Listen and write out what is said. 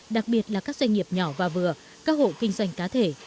đặc biệt là các doanh nghiệp nhỏ và vừa các hộ kinh doanh cá thể